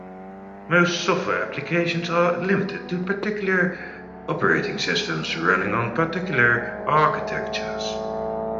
Most software applications are limited to particular operating systems running on particular architectures.